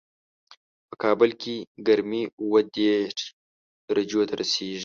په کابل کې ګرمي اووه دېش درجو ته رسېږي